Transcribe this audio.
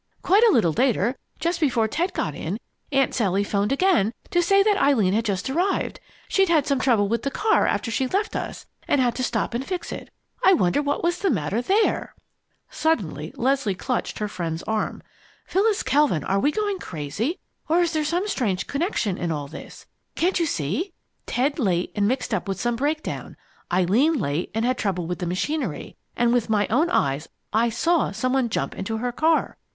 Quite a little later, just before Ted got in, Aunt Sally 'phoned again to say that Eileen had just arrived. She'd had some trouble with the car after she left us and had to stop and fix it. I wonder what was the matter there!" Suddenly Leslie clutched her friend's arm. "Phyllis Kelvin, are we going crazy, or is there some strange connection in all this? Can't you see? Ted late and mixed up with some breakdown Eileen late and had trouble with the machinery, and with my own eyes I saw some one jump into her car!